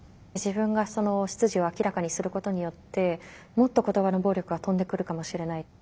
自分が出自を明らかにすることによってもっと言葉の暴力が飛んでくるかもしれない。